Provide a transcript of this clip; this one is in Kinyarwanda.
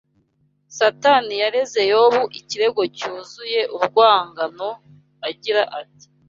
Satani yareze Yobu ikirego cyuzuye urwangano agira ati